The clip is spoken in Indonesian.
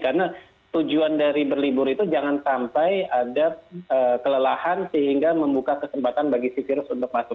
karena tujuan dari berlibur itu jangan sampai ada kelelahan sehingga membuka kesempatan bagi si virus untuk masuk